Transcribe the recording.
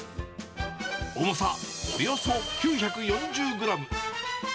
重さおよそ９４０グラム。